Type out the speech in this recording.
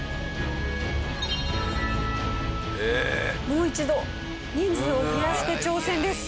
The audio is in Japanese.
もう一度人数を増やして挑戦です。